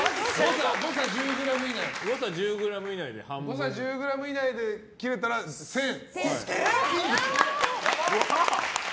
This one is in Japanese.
誤差１０ｇ以内で切れたら１０００。